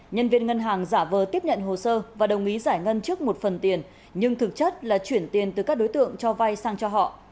nhân viên ngân hàng giả vờ tiếp nhận hồ sơ và đồng ý giải ngân trước một phần tiền nhưng thực chất là chuyển tiền từ các đối tượng cho vay sang cho họ